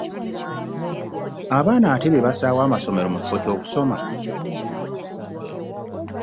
Abaana ate be basaawa amasomero mu kifo ky'okisoma!